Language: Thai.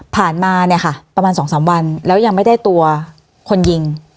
มาเนี่ยค่ะประมาณ๒๓วันแล้วยังไม่ได้ตัวคนยิง